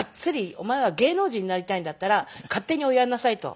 「お前は芸能人になりたいんだったら勝手におやりなさい」と。